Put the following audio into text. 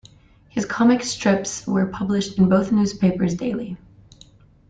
His comic strips were published in both newspapers daily.